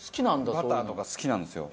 バターとか好きなんですよ。